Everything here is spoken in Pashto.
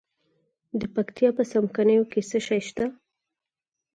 د پکتیا په څمکنیو کې څه شی شته؟